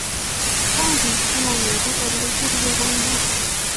Chang bik che manyoru Ole kirue komie